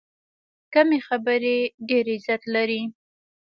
کمې خبرې، ډېر عزت لري.